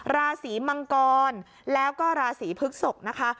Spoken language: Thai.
ราศีมังกรแล้วก็ราศีพฤกษกนะคะ